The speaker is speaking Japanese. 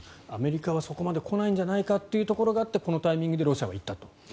アメリカはそこまで来ないんじゃないかということでこのタイミングでロシアは行ったと。